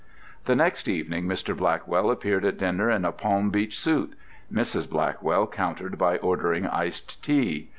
The next evening Mr. Blackwell appeared at dinner in a Palm Beach suit. Mrs. Blackwell countered by ordering iced tea.